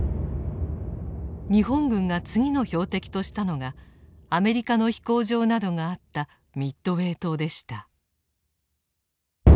日本軍が次の標的としたのがアメリカの飛行場などがあったミッドウェー島でした。